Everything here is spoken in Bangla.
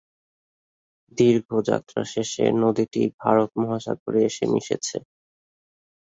দীর্ঘ যাত্রা শেষে নদীটি ভারত মহাসাগরে এসে মিশেছে।